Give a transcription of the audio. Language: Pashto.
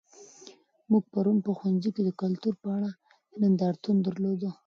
موږ پرون په ښوونځي کې د کلتور په اړه نندارتون درلود.